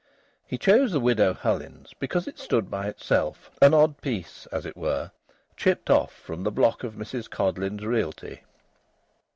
He chose the Widow Hullins's because it stood by itself an odd piece, as it were, chipped off from the block of Mrs Codleyn's realty.